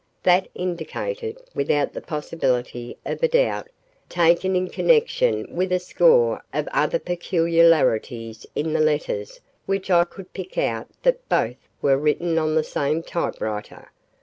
That indicated, without the possibility of a doubt, taken in connection with a score of other peculiarities in the letters which I could pick out that both were written on the same typewriter.